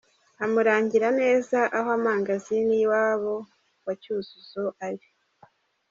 Amurangira neza aho amangazini y’iwabo wa Cyuzuzo ari.